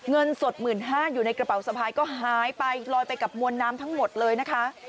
เงินสด๑๕๐๐อยู่ในกระเป๋าสะพายก็หายไปลอยไปกับมวลน้ำทั้งหมดเลยนะคะ